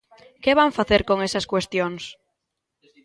¿Que van facer con esas cuestións?